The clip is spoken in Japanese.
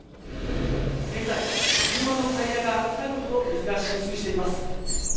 現在車のタイヤが浸かるほど浸水しています。